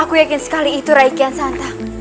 aku yakin sekali itu ray kian santang